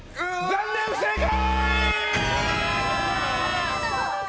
残念、不正解！